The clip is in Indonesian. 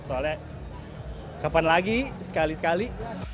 soalnya kapan lagi sekali sekali